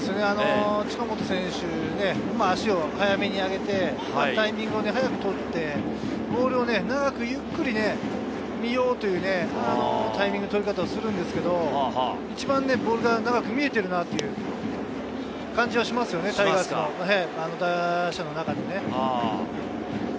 近本選手、足を早めに上げて、タイミングを早くとって、ボールを長くゆっくり見ようというタイミングの取り方をするんですけど、一番ボールが長く見えているなという感じはしますよね、タイガースの打者の中で。